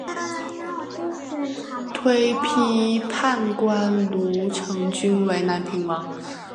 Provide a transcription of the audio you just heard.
推举判官卢成均为南平王。